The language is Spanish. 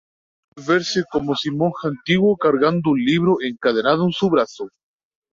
Suele verse como un monje antiguo cargando un libro encadenado a su brazo.